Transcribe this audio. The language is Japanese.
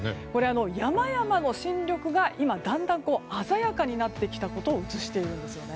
山々の新緑が、今だんだん鮮やかになってきたことを映しているんですよね。